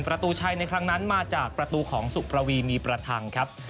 ประตูชัยในครั้งนั้นมาจากประตูของสุประวีมีประทังครับ